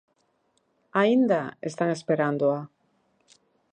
Aínda están esperándoa.